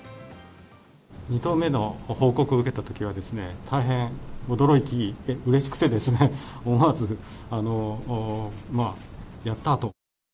２頭目の報告を受けたときは、大変驚き、うれしくてですね、思わず、やったーと。